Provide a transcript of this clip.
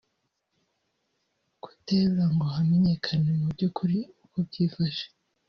kuterura ngo hamenyekane mu by’ukuri uko byifashe